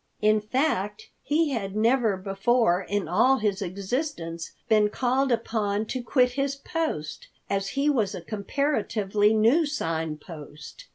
In fact, he had never before in all his existence been called upon to quit his post, as he was a comparatively new Sign Post.